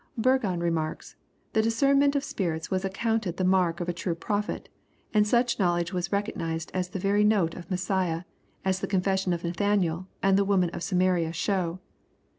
] Burgon remarks, " The discernment of spirits was accounted the mark of a true prophet; and such Imowledge was recognized as the very note of Messiah, as the confession of Nathanael, and the woman of Samaria show."